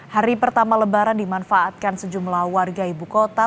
hari pertama lebaran dimanfaatkan sejumlah warga ibu kota